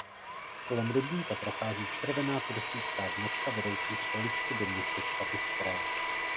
Kolem rybníka prochází červená turistická značka vedoucí z Poličky do městečka Bystré.